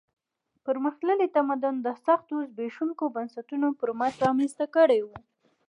پرمختللی تمدن د سختو زبېښونکو بنسټونو پر مټ رامنځته کړی و.